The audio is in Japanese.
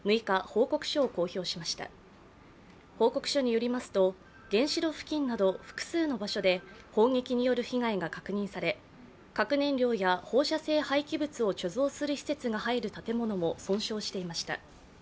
報告書によりますと原子炉付近など複数の場所で砲撃による被害が確認され核燃料や放射性廃棄物を貯蔵する施設が入る建物も損傷していました。